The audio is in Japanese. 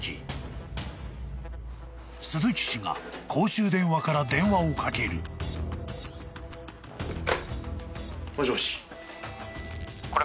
［鈴木氏が公衆電話から電話をかける］もしもし。